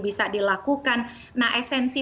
bisa dilakukan nah esensi